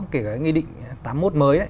kể cả cái nghị định tám mươi một mới